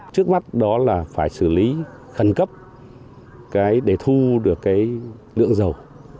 trước mắt đó là phải xử lý khẩn cấp để thu được cái lượng dầu